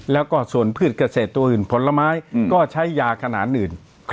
แล้วก็ส่วนพืชเกษตรตัวอื่นผลไม้ก็ใช้ยาขนาดอื่น